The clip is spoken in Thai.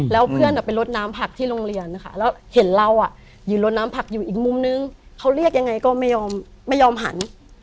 แล้วเพื่อนไปลดน้ำผักที่โรงเรียนนะคะแล้วเห็นเรายืนลดน้ำผักอยู่อีกมุมนึงเขาเรียกยังไงก็ไม่ยอมหัน